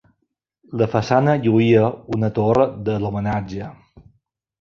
La façana lluïa una torre de l'homenatge.